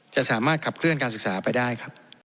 จะสามารถขับเคลื่อนการศึกษาไปได้ครับ